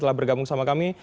telah bergabung sama kami